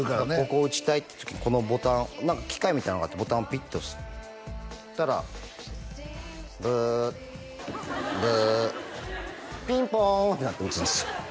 ここ打ちたいって時このボタン何か機械みたいなのがあってボタンをピッて押すたらブーブーピンポーンって鳴って打つんですよ